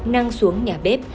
năng xuống nhà bếp